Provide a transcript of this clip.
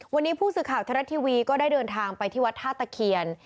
วันนี้ผู้สื่อข่าวไทยรัฐทีวีก็ได้เดินทางไปที่วัดท่าตะเคียน